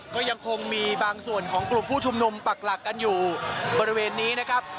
ก็ยังคงมีบางส่วนของกลุ่มผู้ชุมนุมปักหลักกันอยู่บริเวณนี้นะครับ